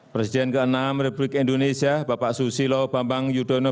presiden ke enam republik indonesia bapak susilo bambang yudhoyono